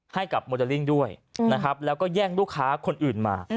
ให้กับโมเดลลิ่งด้วยนะครับแล้วก็แย่งลูกค้าคนอื่นมา